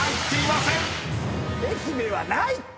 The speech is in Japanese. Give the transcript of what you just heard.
「愛媛」はないって！